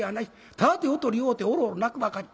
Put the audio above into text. ただ手を取り合うておろおろ泣くばかり。